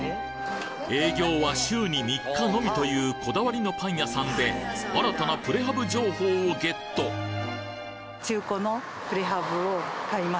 営業は週に３日のみというこだわりのパン屋さんで新たなプレハブ情報をゲット！え？